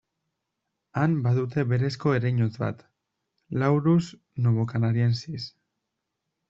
Han badute berezko ereinotz bat, Laurus novocanariensis.